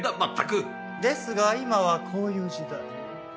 ですが今はこういう時代。